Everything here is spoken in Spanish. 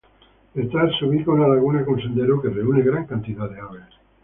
Detrás, se ubica una laguna con sendero, que reúne gran cantidad de aves.